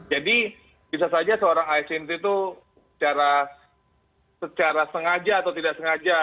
jadi bisa saja seorang asn itu secara sengaja atau tidak sengaja